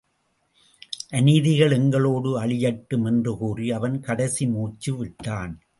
அநீதிகள் எங்களோடு அழியட்டும் என்று கூறி அவன் கடைசி மூச்சு விட்டான்.